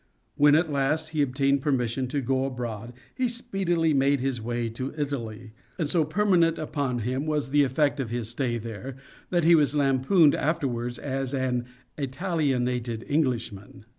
When at last he obtained permission to go abroad he speedily made nis way to Italy ; and so permanent upon him was the effect of his stay there, that he was lampooned afterwards as an " Italionated Englishman."